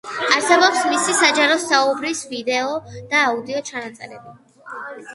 არსებობს მისი საჯარო საუბრების ვიდეო და აუდიო ჩანაწერები.